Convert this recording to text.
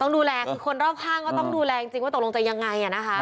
ต้องดูแลคนรอบข้างก็ต้องดูแลว่าตกลงใจยังไง